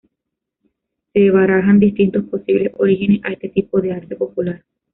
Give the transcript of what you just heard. Se barajan distintos posibles orígenes a este tipo de arte popular.